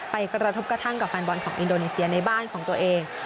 กระทบกระทั่งกับแฟนบอลของอินโดนีเซียในบ้านของตัวเอง